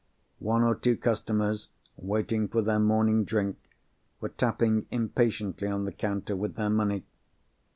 One or two customers, waiting for their morning drink, were tapping impatiently on the counter with their money.